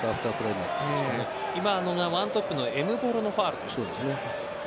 今のが１トップのエムボロのファウルです。